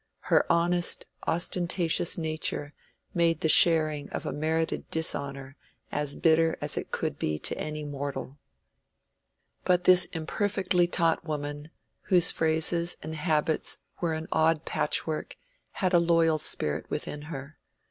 Her honest ostentatious nature made the sharing of a merited dishonor as bitter as it could be to any mortal. But this imperfectly taught woman, whose phrases and habits were an odd patchwork, had a loyal spirit within her.